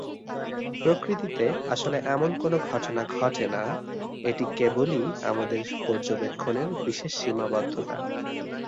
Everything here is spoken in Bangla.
প্রকৃতিতে আসলে এমন কোন ঘটনা ঘটে না, এটি কেবলই আমাদের পর্যবেক্ষণের বিশেষ সীমাবদ্ধতা।